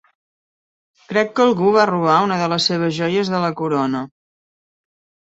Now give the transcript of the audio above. Crec que algú va robar una de les seves joies de la corona.